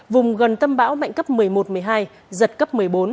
vùng gần tâm bão mạnh cấp một mươi một một mươi hai giật cấp một mươi bốn